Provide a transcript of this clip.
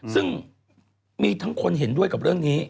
ซึ่งมีทั้งคนเห็นด้วยกับเรื่องนี้